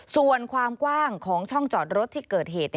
ส่วนความกว้างของช่องจอดรถที่เกิดเหตุ